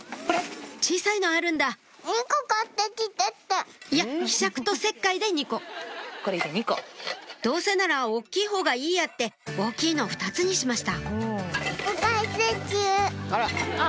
小さいのあるんだいやひしゃくと石灰で２個「どうせなら大っきい方がいいや」って大きいの２つにしましたあっ。